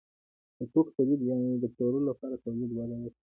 د توکو تولید یعنې د پلورلو لپاره تولید وده وکړه.